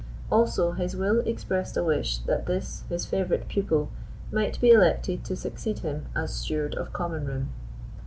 Also his will expressed a wish that this, his favourite pupil, might be elected to succeed him as steward of Common room.